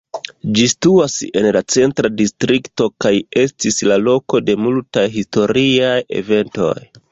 Ĝi situas en la Centra Distrikto kaj estis la loko de multaj historiaj eventoj.